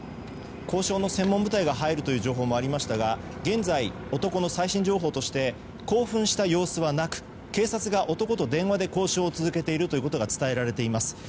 交渉の専門部隊が入るという情報もありましたが現在、男の最新情報として興奮した様子はなく警察が男と電話で交渉を続けているということが伝えられています。